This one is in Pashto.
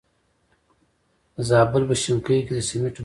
د زابل په شنکۍ کې د سمنټو مواد شته.